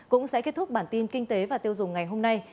cũng sẽ kết thúc bản tin kinh tế và tiêu dùng ngày hôm nay